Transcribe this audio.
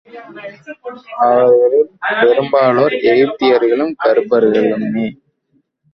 அவர்களிற் பெரும்பாலோர், எகிப்தியர்களும், கருப்பர்களுமே!